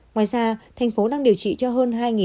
ngoài ra thành phố đang điều trị cho hơn hai năm trăm linh người